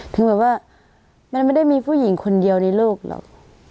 ถึงแบบว่ามันไม่ได้มีผู้หญิงคนเดียวในโลกหรอก